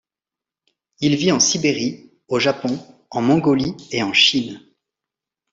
Il vit en Sibérie, au Japon, en Mongolie et en Chine.